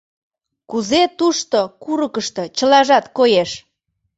Кузе тушто, курыкышто, чылажат коеш?